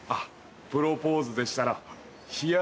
プロポーズでしたら。